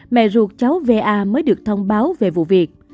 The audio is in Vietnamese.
mẹ ruột cháu va mới được thông báo về vụ việc